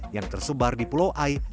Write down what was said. yang tersebar di pulau ai